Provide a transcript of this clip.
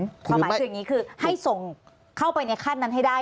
ความหมายคืออย่างนี้คือให้ส่งเข้าไปในขั้นนั้นให้ได้